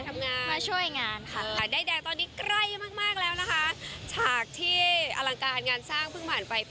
มาเสิบน้ำมาช่วยงานค่ะ